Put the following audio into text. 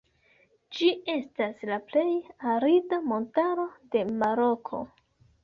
Ĝi estas la plej arida montaro de Maroko.